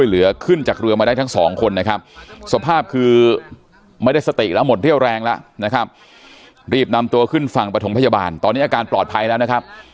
เหลือขึ้นจากเรือมาได้ทั้งสองคนนะครับสภาพคือไม่ได้สติแล้วหมดเรี่ยวแรงแล้วนะครับรีบนำตัวขึ้นฝั่งประถมพยาบาลตอนนี้อาการปลอดภัยแล้วนะครับ